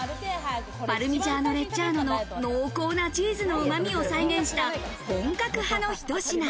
パルミジャーノ・レッジャーノの濃厚なチーズのうまみを再現した本格派のひと品。